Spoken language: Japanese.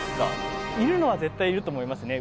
いるのは絶対いると思いますね。